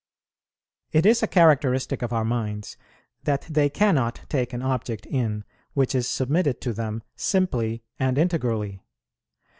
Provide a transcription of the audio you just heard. It is a characteristic of our minds, that they cannot take an object in, which is submitted to them simply and integrally.